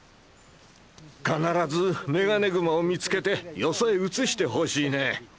必ずメガネグマを見つけてよそへ移してほしいね。